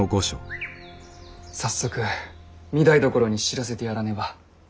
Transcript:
早速御台所に知らせてやらねば。